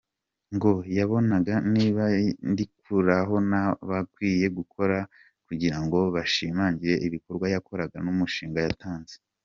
Ngo yabonaga ‘niba ndigukora nabo bagakwiye gukora’ kugirango bashimangira ibikorwa yakoraga mu mushinga yatanze.